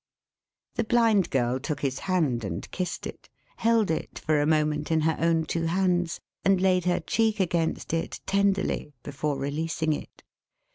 The Blind Girl took his hand and kissed it; held it for a moment in her own two hands; and laid her cheek against it tenderly, before releasing it.